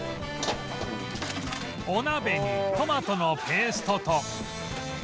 お鍋にトマトのペーストと